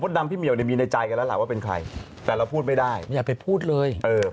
น้ำที่เหมียวในใจกันล่ะว่าเป็นใครแต่เราพูดไม่ได้อยากไปพูดเลยเออ